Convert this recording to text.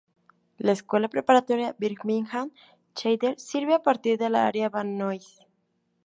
La Escuela Preparatoria Birmingham Charter sirve a partes de la área Van Nuys.